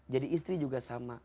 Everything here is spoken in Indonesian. jadi istri juga sama